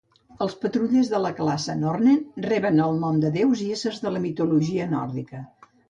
Els patrullers de la classe "Nornen" reben el nom de déus i éssers de la mitologia nòrdica.